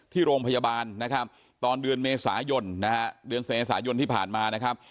ที่โรงพยาบาลนะครับตอนเดือนเมษายนนะฮะเดือนเมษายนที่ผ่านมานะครับ